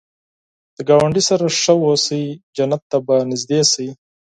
که ګاونډي سره ښه اوسې، جنت ته به نږدې شې